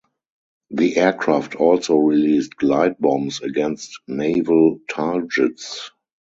The aircraft also released glide bombs against naval targets.